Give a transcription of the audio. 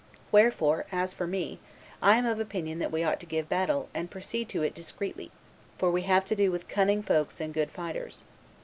'Wherefore, as for me, I am of opinion that we ought to give battle, and proceed to it discreetly, for we have to do with cunning folks and good fighters.